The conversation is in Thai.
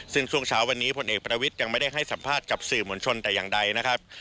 ซึ่งช่วงเช้าวันนี้ผลเอกประวิทย์ยังไม่ได้ให้สัมภาษณ์กับสื่อมวลชนแต่อย่างใดนะครับ